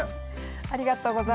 ありがとうございます。